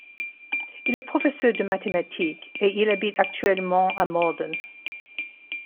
Il est professeur de mathématiques et il habite actuellement à Malden.